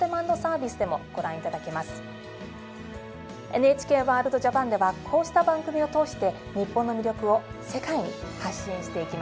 「ＮＨＫワールドＪＡＰＡＮ」ではこうした番組を通して日本の魅力を世界に発信していきます。